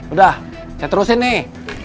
udah saya terusin nih